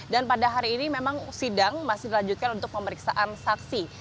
dan pada hari ini memang sidang masih dilanjutkan untuk pemeriksaan saksi